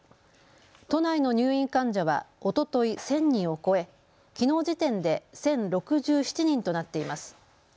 都内の入院患者はおととい１０００人を超え、きのう時点で１０６７人となっています。